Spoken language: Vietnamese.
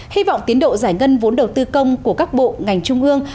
hy vọng tiến độ giải ngân vốn đầu tư công của các bộ ngành trung ương